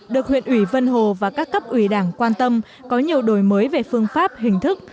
được huyện ủy vân hồ và các cấp ủy đảng quan tâm có nhiều đổi mới về phương pháp hình thức